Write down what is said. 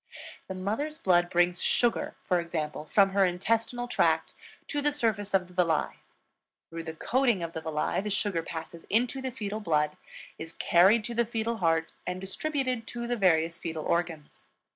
The mother's blood brings sugar, for example, from her intestinal tract to the surface of the villi; through the coating of the villi the sugar passes into the fetal blood, is carried to the fetal heart, and distributed to the various fetal organs.